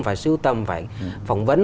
phải sưu tầm phải phỏng vấn